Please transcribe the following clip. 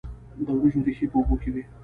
د وریجو ریښې په اوبو کې وي.